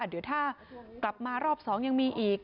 เดี๋ยวถ้ากลับมารอบ๒ยังมีอีก